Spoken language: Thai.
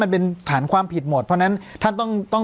มันเป็นฐานความผิดหมดเพราะฉะนั้นท่านต้อง